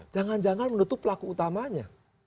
jangan jangan menutup pelaku utamanya